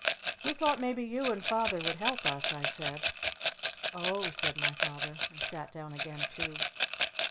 "We though maybe you and Father would help us," I said. "O h," said my Father. And sat down again too.